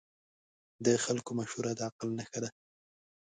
د خلکو مشوره د عقل نښه ده.